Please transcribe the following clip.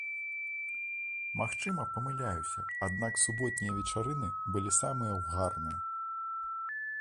Магчыма, памыляюся, аднак суботнія вечарыны былі самыя ўгарныя.